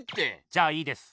じゃあいいです。